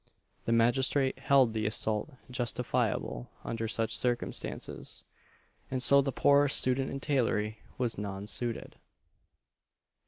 The magistrate held the assault justifiable under such circumstances, and so the poor "student in tailory" was non suited.